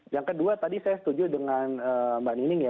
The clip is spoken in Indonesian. yang kedua tadi saya setuju dengan mbak nining ya